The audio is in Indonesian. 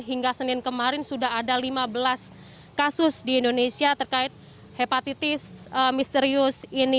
hingga senin kemarin sudah ada lima belas kasus di indonesia terkait hepatitis misterius ini